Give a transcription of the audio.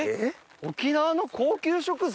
沖縄の高級食材？